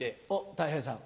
たい平さん。